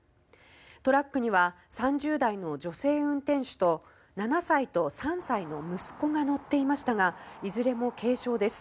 トラックには３０代の女性運転手と７歳と３歳の息子が乗っていましたがいずれも軽傷です。